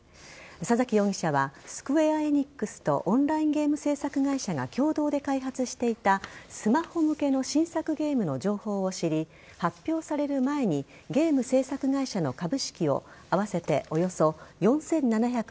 佐崎容疑者はスクウェア・エニックスとオンラインゲーム制作会社が共同で開発していたスマホ向けの新作ゲームの情報を知り発表される前にゲーム制作会社の株式を合わせておよそ４７２０万円